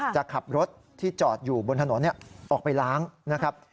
จะขับรถที่จอดอยู่บนถนนออกไปล้างนะครับ